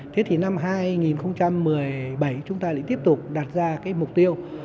thế thì năm hai nghìn một mươi bảy chúng ta lại tiếp tục đạt ra mục tiêu